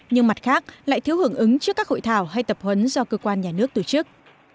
nhưng mặt khác lại thiếu hưởng ứng trước các hội thảo hay tập huấn do cơ quan nhà nước tổ chức